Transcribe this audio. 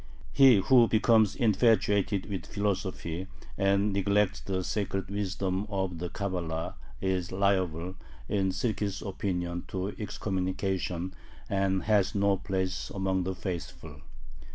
He who becomes infatuated with philosophy and neglects the secret wisdom of the Cabala is liable, in Sirkis' opinion, to excommunication, and has no place among the faithful.